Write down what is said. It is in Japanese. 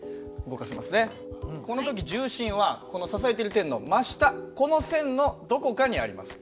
この時重心はこの支えてる点の真下この線のどこかにあります。